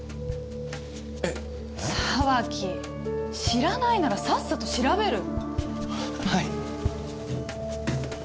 知らないならさっさと調べる！ははい。